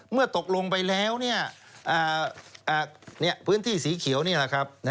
เมื่อตกลงไปแล้วพื้นที่สีเขียวนี่แหละครับ